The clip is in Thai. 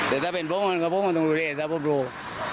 แต่ถ้าเป็นผมผมจะดูแลค่ะผมดู